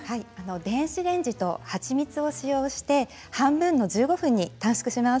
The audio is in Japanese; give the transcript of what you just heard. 電子レンジとはちみつを使用して半分の１５分に短縮します。